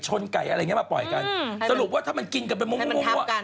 ไก่อะไรอย่างนี้มาปล่อยกันสรุปว่าถ้ามันกินกันเป็นมุมอ่ะ